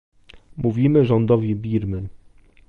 Mówimy rządowi Birmy